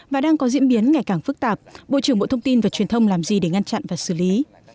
và đang có diễn biến ngày càng phức tạp bộ trưởng bộ thông tin và truyền thông làm gì để ngăn chặn và xử lý